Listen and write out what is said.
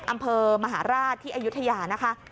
อำเภอมหาราชที่อายุทยานะคะ